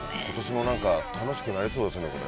今年も何か楽しくなりそうですね。